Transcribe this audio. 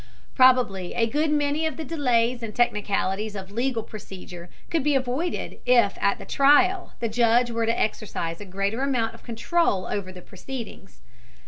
Probably a good many of the delays and technicalities of legal procedure could be avoided if at the trial the judge were to exercise a greater amount of control over the proceedings.